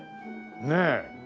ねえ。